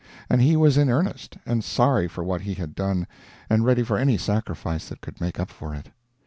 And he was in earnest, and sorry for what he had done and ready for any sacrifice that could make up for it.